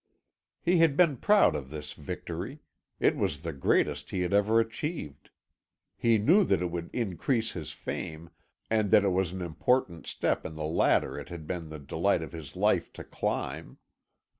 He had been proud of this victory; it was the greatest he had ever achieved. He knew that it would increase his fame, and that it was an important step in the ladder it had been the delight of his life to climb.